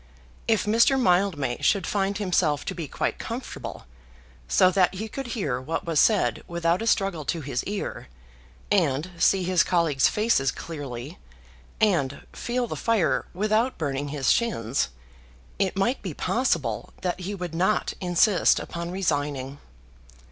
If Mr. Mildmay should find himself to be quite comfortable, so that he could hear what was said without a struggle to his ear, and see his colleagues' faces clearly, and feel the fire without burning his shins, it might be possible that he would not insist upon resigning.